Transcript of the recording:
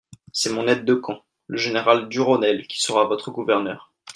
C'est mon aide-de-camp, le général Durosnel, qui sera votre gouverneur.